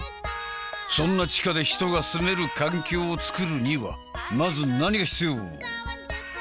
そんな地下で人が住める環境を作るにはまず何が必要？